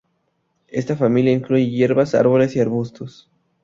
Esta familia incluye hierbas, árboles y arbustos.